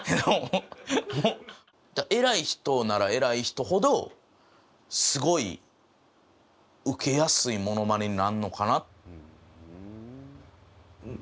偉い人なら偉い人ほどすごいウケやすいモノマネになるのかな。